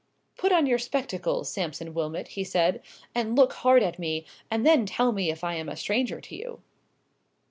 "Put on your spectacles, Sampson Wilmot," he said, "and look hard at me, and then tell me if I am a stranger to you."